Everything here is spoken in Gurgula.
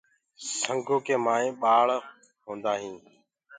سنگو ڪي مآئينٚ ڀآݪ هوندآ هينٚ۔